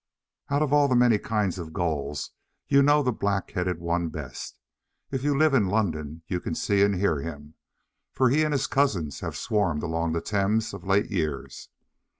Out of all the many kinds of Gulls, you know the Black headed one best. If you live in London you can see and hear him, for he and his cousins have swarmed along the Thames of late years.